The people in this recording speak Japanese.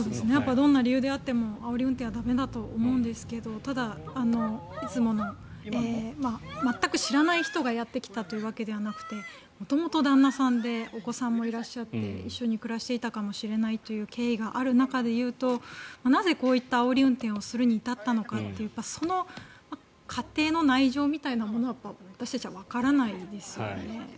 どんな理由であってもあおり運転は駄目だと思うんですがただ、いつもの全く知らない人がやってきたというわけではなくて元々旦那さんでお子さんもいらっしゃって一緒に暮らしていたかもしれないということを思うとなぜこういったあおり運転をするに至ったのかというその家庭の内情みたいなものは私たちはわからないですよね。